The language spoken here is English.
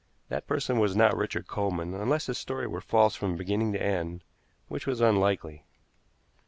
That person was not Richard Coleman, unless his story were false from beginning to end, which was unlikely.